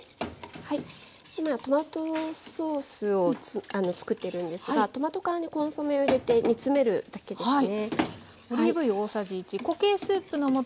はい今トマトソースを作っているんですがトマト缶にコンソメを入れて煮詰めるだけですね。